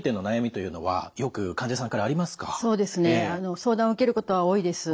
相談を受けることは多いです。